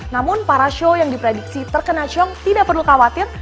namun para show yang diprediksi terkena siong tidak perlu khawatir